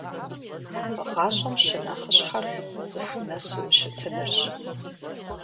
ГъащӀэм щынэхъыщхьэр цӀыху нэсу ущытынырщ.